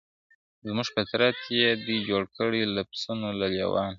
زموږ فطرت یې دی جوړ کړی له پسونو له لېوانو `